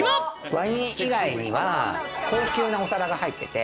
ワイン以外には高級なお皿が入ってて。